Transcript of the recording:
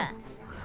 あ？